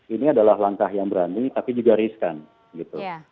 ini adalah langkah yang berani tapi juga riskan gitu